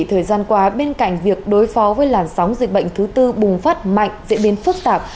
thời gian qua bên cạnh việc đối phó với làn sóng dịch bệnh thứ tư bùng phát mạnh diễn biến phức tạp